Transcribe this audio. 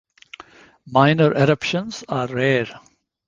Minor eruptions are rare.